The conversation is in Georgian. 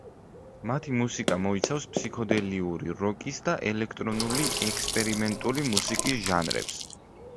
მათი მუსიკა მოიცავს ფსიქოდელიური როკის და ელექტრონული ექსპერიმენტული მუსიკის ჟანრებს.